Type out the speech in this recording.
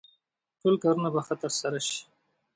ټول کارونه به ښه ترسره شي.